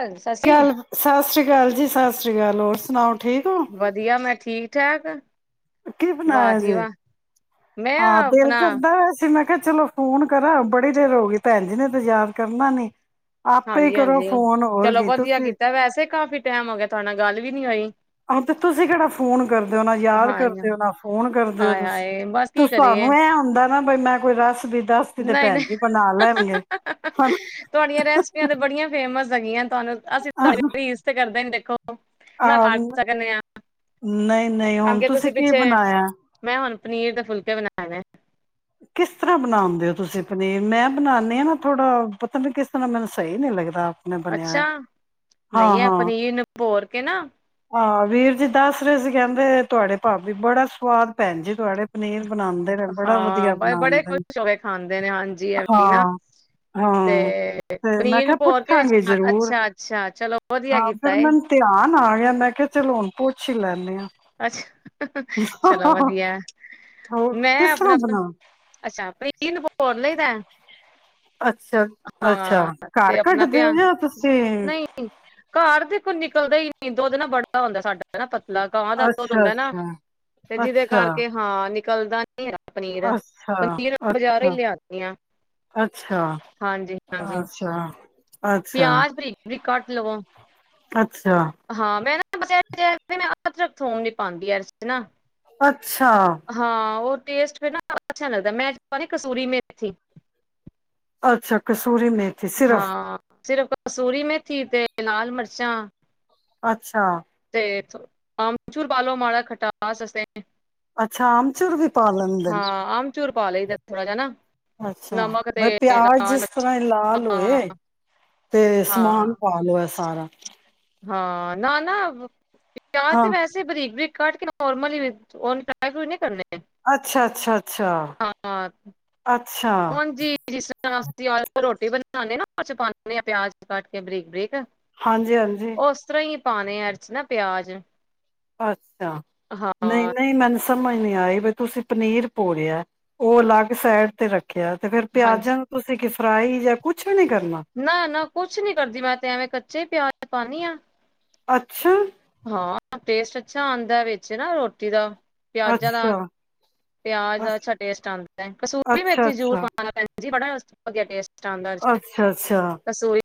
ਸਸੀ ਸਤਿ ਸ੍ਰੀ ਅਕਾਲ ਜੀ, ਸਤਿ ਸ੍ਰੀ ਅਕਾਲ। ਹੋਰ- ਸੁਣਾਉ। ਵਧੀਆ, ਮੈਂ। ਠੀਕ-ਠਾਕ ਕੀ ਬਣਾਇਆ ਜੇ। ਮੈਂ ਹਾਂ ਦਿਲ ਆਪਣਾ ਕਰਦਾ ਪਾਇਆ ਸੀ। ਮੈਂ- ਮੈਂ ਕਿਹਾ ਚਲੋ ਫੋਨ ਕਰਾਂ, ਬੜੀ ਦੇਰ ਹੋ ਗਈ। ਭੈਣ ਜੀ ਨੇ ਤੇ ਯਾਦ ਕਰਨਾ ਨੀ। ਆਪੇ ਹੀ ਕਰੋ ਹਾਂਜੀ-ਹਾਂਜੀ ਫੋਨ ਹੋਰ ਚਲੋ ਕੀ ਵਧੀਆ ਤੁਸੀਂ ਕੀਤਾ ਵੈਸੇ, ਕਾਫੀ ਟਾਈਮ ਹੋ ਗਿਆ ਤੁਹਾਡੇ ਨਾਲ ਗੱਲ ਵੀ ਨੀ ਹੋਈ। ਆਹੋ ਤੇ ਤੁਸੀਂ ਕਿਹੜਾ ਫੋਨ ਕਰਦੇ ਓ। ਨਾ ਯਾਦ ਹਾਂਜੀ ਕਰਦੇ ਓ, ਨਾ ਫੋਨ ਕਰਦੇ ਹੋ, ਆਏ ਤੁਸੀਂ। ਹਾਏ ਬਸ ਕੀ ਕਰੀਏ ਤੁਹਾਨੂੰ ਇਹ ਹੁੰਦਾ ਨਾ ਬਈ ਮੈਂ ਕੋਈ ਰੈਸਿਪੀ ਦੱਸ ਤੀ ਤੇ ਨਹੀਂ ਭੈਣ ਨਹੀਂ ਵੀ ਬਣਾ ਲੈਣਗੇ, ਹਨਾ। ਰੈਸਪੀਆਂ ਤੇ ਬੜੀਆਂ ਫੇਮਸ ਹੈਗੀਆਂ। ਤੁਹਾਨੂੰ ਅਸੀਂ ਆਹ ਤੁਹਾਡੀ ਰੀਸ ਤੇ ਕਰ ਦਿੰਦੇ। ਆਹ, ਨਹੀਂ-ਨਹੀਂ, ਹੁਣ ਅੱਗੇ ਤੁਸੀਂ ਕੀ ਪਿੱਛੇ ਬਣਾਇਆ। ਮੈਂ ਹੁਣ ਪਨੀਰ ਦੇ ਫੁਲਕੇ ਬਣਾਏ ਨੇ। ਕਿਸ ਤਰ੍ਹਾਂ ਬਣਾਉਦੇ ਹੋ ਤੁਸੀਂ ਪਨੀਰ। ਮੈਂ ਬਣਾਦੀ ਹਾਂ ਨਾ ਥੋੜ੍ਹਾ ਪਤਾ ਨਹੀਂ ਕਿਸ ਤਰ੍ਹਾਂ ਮੈਨੂੰ ਸਹੀ ਨਹੀ ਲੱਗਦਾ। ਆਪਣੇ ਬਣਿਆ ਅੱਛਾ, ਹਾਂ ਨਹੀਂ ਆਹ ਹਾਂ ਪਨੀਰ ਨੂੰ ਭੋਰ ਕੇ ਨਾ ਹਾਂ ਵੀਰ ਜੀ ਦੱਸ ਰਹੇ ਸੀ, ਕਹਿੰਦੇ ਤੁਹਾਡੇ ਭਾਾਬੀ ਬੜਾ ਸਵਾਦ, ਭੈਣ ਜੀ ਤੁਹਾਡੇ ਪਨੀਰ ਬਣਾਉਂਦੇ ਨੇ ਬੜਾ ਵਧੀਆ। ਹਾਂ ਬੜੇ ਬਣਾਉਂਦੇ ਨੇ ਖੁਸ਼ ਹੋ ਕੇ ਖਾਂਦੇ ਨੇ, ਹਾਂਜੀ, ਅਸੀਂ ਨਾ, ਹਾਂ ਹਾਂ ਤੇ ਮੈਂ ਪਨੀਰ ਕਿਹਾ ਭੋਰ ਕੇ ਵਿੱਚ, ਪੁੱਛਾਂਗੇ ਜ਼ਰੂਰ ਅੱਛਾ, ਅੱਛਾ, ਚਲੋ ਵਧੀਆ ਹਾਂ ਕੀਤਾ। ਫਿਰ ਮੈਨੂੰ ਧਿਆਨ ਆ ਗਿਆ ਮੈਂ ਕਿਹਾ, ਚਲੋ ਹੁਣ ਪੁੱਛ ਹੀ ਲੈਂਦੇ ਹਾਂ। ਅੱਛਾ, ਚਲੋ ਵਧੀਆ। ਹੋਰ ਮੈਂ ਕਿਸ ਤਰ੍ਹਾਂ ਆਪਣਾ ਬਣਾ ਅੱਛਾ, ਪਨੀਰ ਨੂੰ ਭੋਰ ਲਈ ਦਾ। ਅੱਛਾ, ਅੱਛਾ। ਘਰ ਤੇ ਆਪਣਾ ਕੱਢਦੇ ਪਿਆ ਹੋ ਜਾਂ ਤੁਸੀਂ ਨਹੀਂ ਘਰ ਦੇ ਕੋਈ ਨਿਕਲਦਾ ਹੀ ਨਹੀ ਦੁੱਧ ਨਾ ਬੜਾ ਹੁੰਦਾ ਸਾਡਾ ਨਾ ਪਤਲਾ। ਲੱਗਾ ਹੁੰਦਾ। ਦੁੱਧ ਅੱਛਾ ਹੁੰਦਾ ਨਾ, ਅੱਛਾ ਤੇ ਜਿਹਦੇ ਅੱਛਾ ਕਰਕੇ ਹਾਂ। ਨਿਕਲਦਾ ਨੀ ਪਨੀਰ। ਅੱਛਾ, ਪਨੀਰ ਬਜ਼ਾਰੋਂ ਹੀ ਅੱਛਾ, ਲਿਆਦੀ ਆ। ਅੱਛਾ, ਹਾਂਜੀ-ਹਾਂਜੀ ਅੱਛਾ। ਅੱਛਾ, ਪਿਆਜ ਬਾਰੀਕ ਬਾਰੀਕ ਕੱਟ ਲਵੋ ਅੱਛਾ, ਹਾਂ ਮੈਂ ਨਾ ਥੋਮ ਨੀ ਪਾਉਂਦੀ ਯ ਨਾ ਅੱਛਾ, ਹਾਂ ਉਹ ਟੈਸਟ ਫਿਰ ਨਾ ਅੱਛਾ ਨੀ ਲੱਗਦਾ ਮੈਂ ਤੇ ਪਾਣੀ ਆ ਕਸੂਰੀ ਮੇਥੀ ਅੱਛਾ ਅਛ ਸੂਰੀ ਮੇਥੀ ਸਿਰਫ ਹਾਂ ਸਿਰਫ ਕਸੂਰੀ ਮੇਥੀ ਤੇ ਲਾਲ ਮਿਰਚਾਂ ਅੱਛਾ। ਅਮਚੂਰ ਪਾਲੋ ਮਾੜਾ ਖਟਾਸ ਅਸਤੇ ਅੱਛਾ ਆਮਚੂਰ ਵੀ ਪਾ ਲੈਂਦੇ ਹਾਂ ਨੇ ਆਮਚੂਰ ਪਾ ਲਈਦਾ ਥੋੜਾ ਜਿਹਾ ਨਾ ਨਮਕ ਤੇ ਅੱਛਾ ਪਿਆਜ ਲਾਲ ਜਿਸ ਮਿਰਚ ਤਰ੍ਹਾਂ ਲਾਲ ਹੋਏ ਹਾਂ ਤੇ ਹਾਂ ਸਮਾਨ ਪਾ ਲੋ ਹੈ ਸਾਰਾ ਹਾਂ ਨਾ ਨਾ ਪਿਆਜ਼ ਹਾਂ ਤੇ ਵੈਸੇ ਬਰੀਕ ਬਰੀ ਕਡ ਕੇ ਨੋਰਮਲੀ ਦ੍ਰੀ ਫਰੂਟ ਨਹੀਂ ਕਰਨੇ ਅੱਛਾ ਅੱਛਾ ਅੱਛਾ ਹਾਂ ਅੱਛਾ। ਉਂਜ ਹੀ ਸੀ ਰੋਟੀ ਬਣਾਉਂਦੇ ਨਾ ਚ ਪਾ ਆ ਪਿਆਜ ਕੱਟ ਕੇ ਬਰੀਕ ਬਰੀਕ ਹਾਂਜੀ ਹਾਂਜੀ। ਪਾਉਣੇ ਆ ਅਰਚ ਨਾ ਪਿਆਜ ਅੱਛਾ ਨਹੀਂ ਹਾਂ ਨਹੀਂ ਮੈਨ ਸਮਝ ਨੀ ਆਈ ਬ ਤੁਸੀਂ ਪਨੀਰ ਪੋੜਿਆ ਉਹ ਅਲੱਗ ਸਾਈਡ ਤੇ ਰੱਖ ਖਿਆ ਤੇ ਫੇਰ ਪਿਆਜਾਂ ਨੂੰ ਤੁਸੀਂ ਕਿ ਫਰਾਈ ਜਾਂ ਕੁਛ ਨਹੀਂ ਕਰਨਾ ਨਾ ਨਾ ਕੁਛ ਨੀ ਕਰਦੀ ਮੈਂ ਤੇ ਐਵੇਂ ਕੱਚੇ ਹੀ ਪਿਆਜ ਪਾਉਂਦੀ ਹਾਂ ਅੱਛਾ। ਹਾਂ ਟੇਸਟ ਅੱਛਾ ਆਉਂਦਾ ਵਿੱਚ ਨਾ ਰੋਟੀ ਦਾ ਪਿਆਜਾਂ ਦਾ ਅੱਛਾ ਪਿਆਜ ਅ ਦਾ ਅੱਛਾ ਟੇਸਟ ਆਉਂਦਾ ਹੈ ਕਸੂਰੀ ਵਿੱਚ ਅੱਛਾ ਹੀ ਜੂੂਰ ਅੱਛਾ ਪਾਉਣਾ ਜੀ ਬੜਾ ਵਧੀਆ ਟਸਟ ਅੱਛਾ ਅੱਛਾ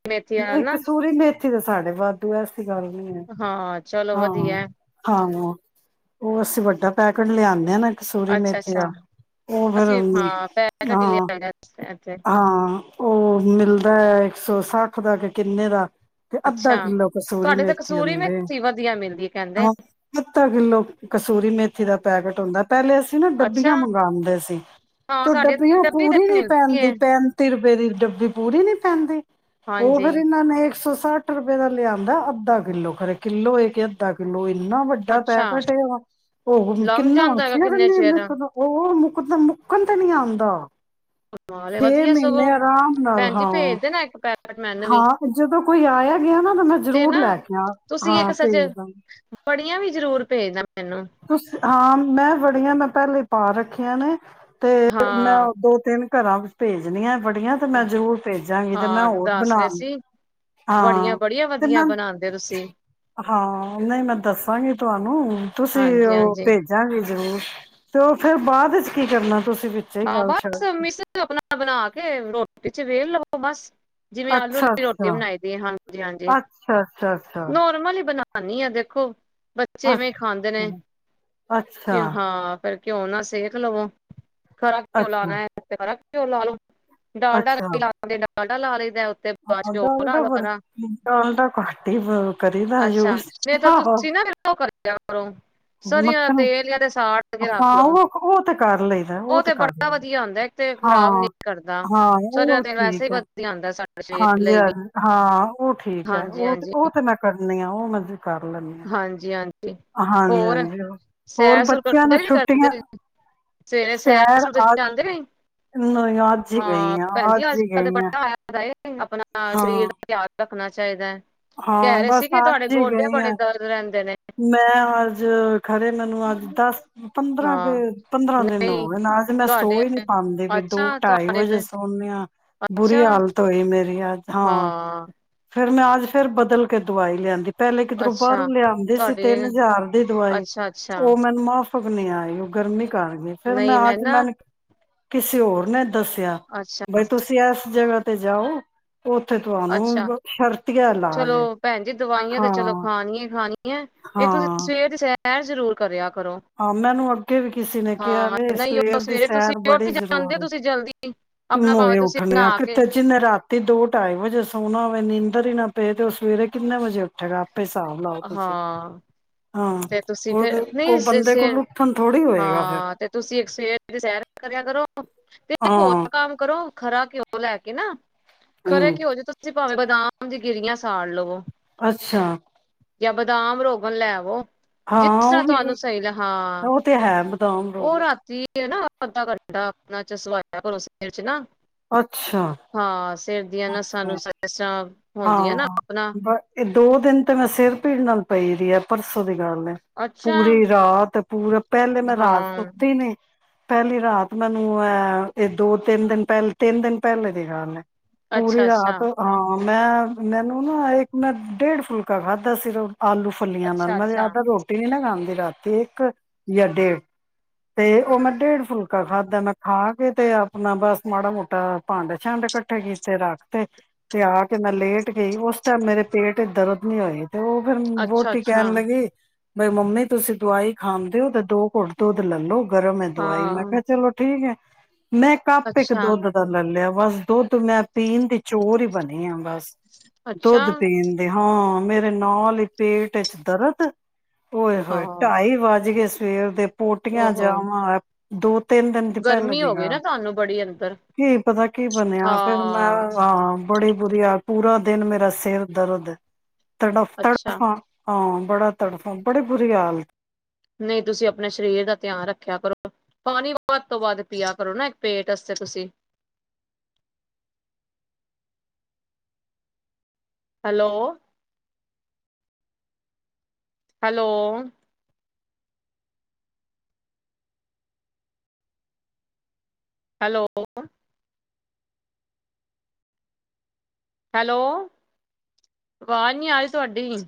ਮੇਥੀ ਨਾਲ ਨਹੀਂ ਨਾ ਕਸੂਰੀ ਮੇਥੀ ਇ ਤਾਂ ਸਾਡੇ ਵਾਧੂ ਹੈ ਗੱਲ ਨੀ ਹੈ ਹਾਂ ਚਲੋ ਹਾਂ ਵਧੀਆ ਹਾਂ ਉਹ ਅਸੀਂ ਵੱਡਾ ਪੈਕਟ ਲਿਆਉਂਦੇ ਆ ਨਾ ਸੂਰੀ ਮੇਥੀ ਅੱਛਾ-ਅੱਛਾ ਦਾ ਉਹ ਫੇਰ ਅਸੀਂ ਹਾਂ ਪੈਕਟ ਹੀ ਹਾਂ ਲਿਆਏ ਦਾ ਇੱਥੇ ਹਾਂ ਉਹ ਮਿਲਦਾ ਇੱਕ ਸੌ ਸੱਠ ਕਰਕੇ ਕਿੰਨੇ ਦਾ ਤੇ ਅੱਧਾ ਅੱਛਾ ਕਿੱਲੋ ਕਸੂਰੀ ਤੁਹਾਡੇ ਤਾਂ ਮੇਥੀ ਕਸੂਰੀ ਹੁੰਦੀ ਆ ਮੇਥੀ ਵਧੀਆ ਮਿਲਦੀ ਕਹਿੰਦੇ ਹਾਂ ਅੱਧਾ ਕਿੱਲੋ ਕਸੂਰੀ ਮੇਥੀ ਦਾ ਪੈਕੇਟ ਹੁੰਦਾ ਪਹਿਲੇ ਅਸੀਂ ਨਾ ਅੱਛਾ ਡੱਬੀਆਂ ਮੰਗਵਾਉਂਦੇ ਸੀ ਹਾਂ ਤੇ ਉਹ ਸਾਡੇ ਡੱਬੀਆਂ ਡੱਬੀ ਤੇ ਪੂਰੀ ਨੀ ਮਿਲਦੀ ਏ ਪੈਂਦੀ ਪੈਂਤੀ ਰੁਪਏ ਦੀ ਵੀ ਪੂਰੀ ਨੀ ਪੈਂਦੀ ਉਹ ਹਾਂਜੀ ਫੇਿਰ ਇਹਨਾਂ ਨੇ ਇੱਕ ਸੌ ਸੱਠ ਰੁਪਏ ਦਾ ਲਿਆਂਦਾ ਅੱਧਾ ਕਿੱਲੋ ਖਰੇ ਕਿੱਲੋ ਹੋਏ ਕਿ ਅੱਧਾ ਕਿੱਲੋ ਕਿੰਨਾ ਵੱਡਾ ਅੱਛਾ ਪੈਕਟ ਇਹ ਉਹ ਲੰਘ ਕਿੰਨਾ ਜਾਂਦਾ ਹੈਗਾ ਚਿਰ ਕਿੰਨੇ ਨੀ ਮੁਕਦਾ ਹੋਰ ਓਹ ਤੇ ਮੁੱਕਣ ਤੇ ਨਹੀਂ ਆਉਂਦਾ ਛੇ ਵਧੀਆ ਮਹੀਨੇ ਸਗੋਂ ਆਰਾਮ ਨਾਲ ਭੈਣ ਜੀ ਹਾਂ ਭੇਜਦੇ ਨਾ ਇੱਕ ਪੈਕਟ ਮੈਨੂੰ ਵੀ ਹਾਂ ਜਦੋਂ ਕੋਈ ਆਇਆ ਗਿਆ ਨਾ ਤਾਂ ਮੈਂ ਤੇ ਜ਼ਰੂਰ ਨਾ ਲੈ ਕੇ ਆ ਹਾਂ ਭੇਜਦਾਂਗੀ ਵੜੀਆਂ ਵੀ ਜ਼ਰੂਰ ਭੇਜਨਾ ਮੈਨੂੰ ਉਸ ਆਮ ਮੈਂ ਬੜੀਆਂ ਮੈਂ ਪਹਿਲੇ ਪਾ ਰੱਖੀਆਂ ਨੇ ਤੇ ਮੈਂ ਹਾਂ ਦੋ ਤਿੰਨ ਘਰਾਂ ਵਿੱਚ ਭੇਜਣੀਆਂ ਬੜੀਆਂ ਤੇ ਮੈਂ ਜ਼ਰੂਰ ਭੇਜਾਂਗੀ ਤੇ ਮੈਂ ਹਾਂ ਹੋਰ ਦੱਸ ਰਹੇ ਬਣਾਵਗੀ ਸੀ ਬੜੀਆਂ ਹਾਂ ਬੜੀਆਂ ਤੇ ਵਧੀਆ ਮੈਂ ਬਣਾਉਂਦੇ ਤੁਸੀਂ ਹਾਂ ਨਹੀਂ ਮੈਂ ਦੱਸਾਂਗੀ ਤੁਹਾਨੂੰ ਤੁਸੀਂ ਹਾਂਜੀ ਉਹ ਹਾਂਜੀ ਭੇਜਾਂਗੇ ਜ਼ਰੂਰ ਤੇ ਉਹ ਫੇਰ ਬਾਅਦ ਚ ਕੀ ਕਰਨਾ ਤੁਸੀਂ ਵਿੱਚੇ ਹੀ ਹਾਂ ਗੱਲ ਛੱਡ ਬਸ ਮਿਸ ਆਪਣਾ ਬਣਾ ਕੇ ਰੋਟੀ ਵਿੱਚ ਵੇਲ ਲਓ ਬਸ ਜਿਵੇਂ ਆਲੂ ਅੱਛਾ ਰੋਟੀ ਅੱਛਾ ਬਣਾਈ ਦੀ ਹਾਂਜੀ ਹਾਂਜੀ ਅੱਛਾ ਅੱਛਾ ਅੱਛਾ ਨੋਰਮਲ ਹੀ ਬਣਾ ਨਹੀਂ ਆ ਦੇਖੋ ਬੱਚੇ ਐਵੇਂਖਾਂਦੇ ਨੇ ਕਿ ਅੱਛਾ ਹਾਂ ਫਿਰ ਘਿਓ ਨਾਲ ਸੇਕ ਲਵੋ ਖਰ ਕਿਉਂ ਲਾਉਣਾ ਅੱਛਾ ਹੈ ਖ ਘਿਓ ਲਾ ਲਓ ਡਾਲਡਾ ਲਾਂ ਦੇ ਨਾਲ ਡਾਲਡਾ ਲਾ ਲਓ ਉੱਤੇ ਬਾਅਦ ਚ ਆਹੋ ਘਿਓ ਲਾ ਡਾਲਡਾ ਕਰਾਂ ਡਾਲਡਾ ਘੱਟ ਹੀ ਕਰੀ ਦਾ ਅੱਛਾ ਯੂਸ ਨਹੀਂ ਤਾਂ ਆ ਤੁਸੀਂ ਨਾ ਫਿਰ ਉਹ ਕਰਿਆ ਕਰੋ ਸਰ੍ਹੀਆਂ ਦਾ ਮੱਖਣ ਤੇਲ ਜਾਂ ਤੇ ਸਾੜ ਕੇ ਆਪਾਂ ਰੱਖ ਲਓ ਉਹ ਉਹ ਤੇ ਕਰ ਲਈਦਾ ਉਹ ਤੇ ਕਰ ਬੜਾ ਲਈ ਵਧੀਆ ਹੁੰਦਾ ਇੱਕ ਤੇ ਹਾਂ ਖ਼ਰਾਬ ਨੀ ਕਰਦਾ ਹਾਂ ਸਿਆ ਉਹ ਤੇ ਵੈਸੇ ਹੀ ਠੀਕ ਹੈ ਵਧੀਆ ਹੁੰਦਾ ਸਾਡੇ ਸਰੀਰ ਹਾਂਜੀ ਲਈ ਵੀ ਹਾਂਜੀ ਹਾਂ ਉਹ ਠੀਕ ਹੈ ਹਾਂਜੀ ਉਹ ਹਾਂਜੀ ਉਹ ਤੇ ਮੈਂ ਕਰਨੀ ਉਹ ਮਤਲਬ ਹਾਂਜੀ ਹਾਂਜੀ ਹਾਂਜੀ ਹੋਰ ਹਾਂਜੀ ਹੋਰ ਸੈਰ ਸੁਰ ਬੱਚਿਆਂ ਕਰਦੇ ਨੂੰ ਨੀ ਛੁੱਟੀਆਂ ਕਰਦੇ ਸਵੇਰੇ ਸੈਰ ਸ ਤੇ ਜਾਂਦੇ ਨ ਨਹੀਂ ਅੱਜ ਹੀ ਹਾਂ ਗਈ ਆ ਭੈਣਜੀ ਅੱਜ ਹੀ ਕ ਗਈ ਆ ਵੱਡਾ ਹੋਇਆ ਆਪਣਾ ਸਰੀਰ ਹਾਂ ਦਾ ਧਿਆਨ ਰੱਖਣਾ ਚਾਹੀਦਾ ਹੈ। ਹਾਂ ਕਹਿ ਰਹੇ ਸੀ ਬਸ ਕਿ ਤੁਹਾਡੇ ਅੱਜ ਹੀ ਗੋਡੇ ਗਈ ਬੜੇ ਆ ਦਰਦ ਰਹਿੰਦੇ ਨੇ। ਮੈਂ ਅੱਜ ਖਰੇ ਮੈਨੂੰ ਅੱਜ ਦਸ ਪੰਦਰਾਂ ਕੇ ਹਾਂ ਪੰਦਰਾਂ ਦਿਨ ਹੋ ਨਹੀਂ ਗਏ ਨਾਲ ਅੱਜ ਮੈਂ ਤੁਹਾਡੇ ਸੋ ਹੀ ਨੀ ਪਾਂਦੀ ਪਈ ਅੱਛਾ ਦੋ ਢਾਈ ਤੁਹਾਡੇ ਵਜੇ ਪ ਸੋਨ ਆ ਬੁਰੀ ਅੱਛਾ ਹਾਲਤ ਹੋਈ ਮੇਰੀ ਅੱਜ ਹਾਂ। ਫਿਰ ਮੈਂ ਅੱਜ ਫੇਰ ਬਦਲ ਕੇ ਦਵਾਈ ਲਿਆਂਦੀ। ਪਹਿਲੇ ਕਿਧਰੋਂ ਬਾਹਰੋਂ ਅੱਛਾ ਲਿਆਂਦੀ ਸੀ ਤਿੰਨ ਤੁਹਾਡੇ ਹਜ਼ਾਰ ਦੀ ਦਵਾਈ ਅੱਛਾ ਅੱਛਾ ਉਹ ਮੈਨੂੰ ਮਾਫ਼ ਫਗ ਨਹੀਂ ਆਈ ਉਹ ਗਰਮੀ ਕਰ ਗਈ ਫੇਰ ਮੈਂ ਨਹੀਂ ਅਜ ਨਾ ਮੈਨ ਕਿਸੇ ਹੋਰ ਨੇ ਦੱਸਿਆ ਬਈ ਅੱਛਾ ਤੁਸੀਂ ਇਸ ਜਗ੍ਹਾ ਤੇ ਜਾਓ ਉੱਥੇ ਅੱਛਾ ਤੁਹਾਨੂੰ ਸ਼ਰਤੀ ਚਲੋ ਭੈਣ ਜੀ ਦਵਾਈਆਂ ਤੇ ਚਲੋ ਖਾਨੀਆਂ ਹੀ ਖਾਣੀਆਂ ਇਹ ਤੁਸੀਂ ਹਾਂ ਸਵੇਰ ਦੀ ਸੈਰ ਜ਼ਰੂਰ ਕਰਿਆ ਕਰੋ ਹਾਂ ਮੈਨੂੰ ਅੱਗੇ ਵੀ ਕਿਸੇ ਨੇ ਕਿਹਾ ਹਾਂ ਵੇ ਨਹੀਂ ਸਵੇਰ ਉਹ ਦੀ ਸਵੇਰੇ ਤੁਸੀਂ ਸੈਰ ਬੜੀ ਉੱਠ ਜਾਂਦੇ ਹੋ ਜ਼ਰੂਰ ਤੁਸੀਂ ਜਲਦੀ ਕਿ ਆਪਣਾ ਭਾਵੇਂ ਮੋਏ ਤੁਸੀਂ ਉੱਠਣੇ ਆ ਨਹਾ ਕੇ ਕਿਤੇ ਜਿੰਨੇ ਰਾਤੀ ਦੋ ਢਾਈ ਵਜੇ ਸੌਣਾ ਹੋਵੇ ਨੀਂਦਰ ਹੀ ਨਾ ਪਏ ਤੇ ਉਹ ਸਵੇਰੇ ਕਿੰਨੇ ਵਜੇ ਉਠੇਗਾ। ਹਿਸਾਬ ਲਾਓ ਤੁਸੀਂ ਹਾਂ ਹਾਂ ਤੇ ਤੁਸੀਂ ਉਹ ਫਿਰ ਉਹ ਸ ਬੰਦੇ ਕੋਲ ਉੱਠਣ ਥੋੜ੍ਹੀ ਹੋਏਗਾ ਫਿਰ ਹਾਂ ਤੇ ਤੁਸੀਂ ਇੱਕ ਸਵੇਰ ਦੀ ਸੈਰ ਕਰਿਆ ਕਰੋ। ਤੇ ਇੱਕ ਹੋਰ ਹਾਂ ਕੰਮ ਕਰੋ ਖਰਾ ਘਿਉਂ ਉਹ ਲੈ ਕੇ ਨਾ ਖਰੇ ਹੂੰ ਘਿਓ ਵਿੱਚ ਤੁਸੀਂ ਪਾਵੇ ਬਦਾਮ ਦੀ ਗਿਰੀਆਂ ਸਾੜ ਲਵੋ। ਅੱਛਾ। ਜਾਂ ਬਦਾਮ ਰੋਗਣ ਲੈਵੋ। ਹਾਂ ਜਿਸ ਉਹ ਤਰ੍ਹਾਂ ਤੁਹਾਨੂੰ ਵੀ ਸਹੀ ਹਾਂ ਉਹ ਤੇ ਹੈ ਬਦਾਮ ਉਹ ਰੋਗ ਰਾਤੀ ਹਨਾ ਅੱਧਾ ਘੰਟਾ ਆਪਣਾ ਚਸਵਾਇਆ ਕਰੋ ਸਿਰ ਚ ਨਾ। ਅੱਛਾ। ਹਾਂ ਸਿਰ ਦੀਆਂ ਨਸਾਂ ਅੱਛਾ ਨੂੰਸਾ ਇਹ ਸਭ ਹਾਂ ਇਹ ਦੋ ਦਿਨ ਤੇ ਮੈਂ ਸਿਰ ਪੀੜ ਨਾਲ ਪਈ ਦੀ ਹੈ ਪਰਸੋਂ ਦੀ। ਗੱਲ ਐ ਅੱਛਾ ਪੂਰੀ ਰਾਤ ਪੂਰਾ ਪਹਿਲੇ ਮੈਂ ਰਾਤ ਹਾਂ ਸੁੱਤੀ ਨੀ। ਪਹਿਲੀ ਰਾਤ ਮੈਨੂੰ ਹੈ ਇਹ ਦੋ ਤਿੰਨ ਦਿਨ ਪਹਿਲੇ ਤਿੰਨ ਦਿਨ ਪਹਿਲੇ ਦੀ ਗੱਲ ਹੈ। ਪੂਰੀ ਅੱਛਾ ਰਾਤ ਅੱਛਾ ਹਾਂ। ਮੈਂ ਮੈਨੂੰ ਨਾ ਇੱਕ ਮੈਂ ਡੇਢ ਫੁਲਕਾ ਖਾਧਾ ਸਿਰਫ। ਆਲੂ ਫੁੱਲੀਆਂ ਨਾਲ ਅੱਛਾ ਮੈਂ ਅੱਛਾ ਯਿਆਦਾ ਰੋਟੀ ਨੀ ਖਾਂਦ ਦੀ ਰਾਤੀ ਇੱਕ ਯਾਂ ਡੇਢ। ਤੇ ਉਹ ਮੈਂ ਡੇਢ ਫੁਲਕਾ ਖਾਧਾ ਮੈਂ ਖਾ ਕੇ ਤੇ ਆਪਣਾ ਬਸ ਮਾੜਾ ਮੋਟਾ ਭਾਂਡੇ ਛੱਂਡੇ ਇਕੱਠੇ ਕੀਤੇ ਰੱਖ ਤੇ ਤੇ ਆ ਕੇ ਮੈਂ ਲੇਟ ਗਈ ਉਸ ਟਾਈਮ ਮੇਰੇ ਪੇਟ ਦਰਦ ਨੀ ਹੋਈ। ਤੇ ਉਹ ਫੇਰ ਅੱਛਾ ਵੋਟੀ ਅੱਛਾ ਕਹਿਣ ਲੱਗੀ। ਬਈ ਮੰਮੀ ਤੁਸੀਂ ਦਵਾਈ ਖਾਂਦੇ ਹੋ ਤਾਂ ਦੋ ਕੁਟ ਦੁਦ ਲੈਲੋ ਗਰਮ ਹੈ ਦਵਾਈ ਮੈਂ ਹਾਂ ਕਿਹਾ ਚਲੋ ਠੀਕ ਹੈ। ਮੈਂ ਕੱਪ ਇੱਕ ਅੱਛਾ ਦੁੱਧ ਦਾ ਲੈ ਲਿਆ। ਬਸ ਦੁੱਧ ਮੈਂ ਪੀਣ ਦੀ ਚੋਰ ਹੀ ਬਣੀ ਆ ਬਸ। ਅੱਛਾ ਦੁੱਧ ਪੀਣਦੇ ਹਾਂ। ਮੇਰੇ ਨਾਲ ਹੀ ਪੇਟ ਇਚ ਦਰਦ। ਓਏ ਹੋਏ ਹਾਂ ਟਾਈ ਵੱਜ ਗਏ ਸ ਸਵੇਰ ਦੇ। ਪੋਟੀਆਂ ਓਹੋ ਜਾਵਾਂ। ਦੋ। ਤਿੰਨ ਦਿਨ ਦੀ ਪੈਲੇ ਗਰਮੀ ਦੀ ਹੋ ਗਈ ਨਾ ਗੱਲ ਤੁਹਾਨੂੰ ਬੜੀ ਅੰਦਰ ਕੀ ਪਤਾ ਕੀ ਬਣਿਆ ਫੇਰ ਮੈਂ ਹਾਂ ਹਾਂ ਬੜੀ ਬੁਰੀਆ ਪੂਰਾ ਦਿਨ ਮੇਰਾ ਸਿਰ ਦਰਦ। ਤੜਫ ਅੱਛਾ ਤੜਫਾ। ਹਾਂ ਬੜਾ ਤੜਫਾ ਬੜੀ ਬੁਰੀ ਹਾਲਤ। ਨਹੀਂ ਤੁਸੀਂ ਆਪਣੇ ਸਰੀਰ ਦਾ ਧਿਆਨ ਰੱਖਿਆ ਕਰੋ ਪਾਣੀ ਵੱਧ ਤੋਂ ਵੱਧ ਪੀਆ ਕਰੋ ਨਾ ਇੱਕ ਪੇਟ ਅਸਤੇ ਤੁਸੀਂ। ਹੈਲੋ। ਹੈਲੋ। ਹੈਲੋ। ਹੈਲੋ ਆਵਾਜ਼ ਨੀ ਆਰੀ ਤੁਹਾਡੀ।